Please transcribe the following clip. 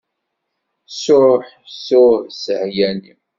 Ssuh, ssuh ssehyani.